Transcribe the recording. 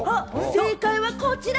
正解はこちら。